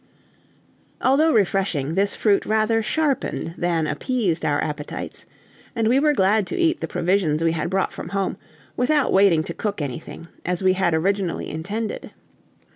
Although refreshing, this fruit rather sharpened than appeased our appetites, and we were glad to eat the provisions we had brought from home, without waiting to cook anything, as we had originally intended.